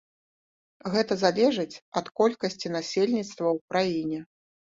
Гэта залежыць ад колькасці насельніцтва ў краіне.